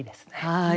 はい。